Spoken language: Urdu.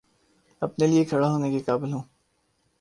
اپنے لیے کھڑا ہونے کے قابل ہوں